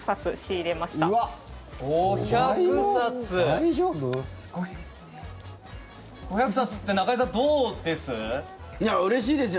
大丈夫？５００冊って中居さん、どうです？